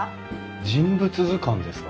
人物図鑑ですか？